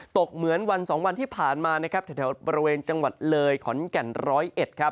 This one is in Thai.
เหมือนวันสองวันที่ผ่านมานะครับแถวบริเวณจังหวัดเลยขอนแก่นร้อยเอ็ดครับ